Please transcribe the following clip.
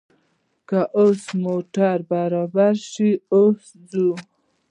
که اوس موټر برابر شو، اوس ځو.